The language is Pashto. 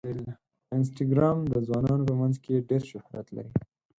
انسټاګرام د ځوانانو په منځ کې ډېر شهرت لري.